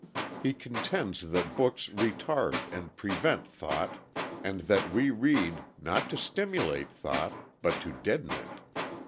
He contends that books retard and prevent thought, and that we read, not to stimulate thought, but to deaden it.